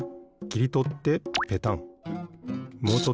きりとってペタン。